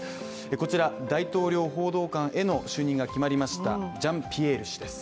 こちら大統領報道官への就任が決まりましたジャンピエール氏です